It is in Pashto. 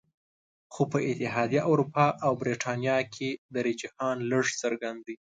خو په اتحادیه اروپا او بریتانیا کې دا رجحان لږ څرګند دی